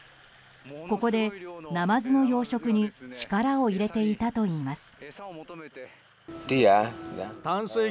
ここでナマズの養殖に力を入れていたといいます。